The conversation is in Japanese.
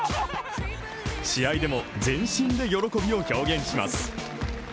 試合でも全身で喜びを表現します。